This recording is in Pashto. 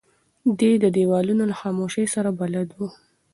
دی د دیوالونو له خاموشۍ سره بلد و.